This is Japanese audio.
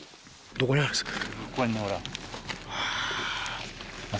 どこにあるんですか？